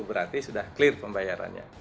berarti sudah clear pembayarannya